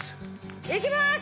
行きます！